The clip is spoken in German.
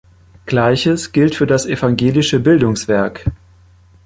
Gleiches gilt für das Evangelische Bildungswerk.